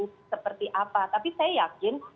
seperti apa tapi saya yakin